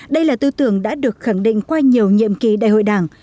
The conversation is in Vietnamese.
đây là tư tưởng đã được khẳng định qua nhiều nhiệm kỳ đại hội đảng